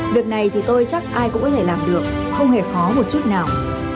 việc này thì tôi chắc ai cũng có thể làm được không hề khó một chút nào